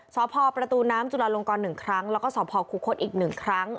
สอพพระตูจุฬาลงกลหนึ่งครั้งแล้วก็สอพครูขทอีกหนึ่งครั้ง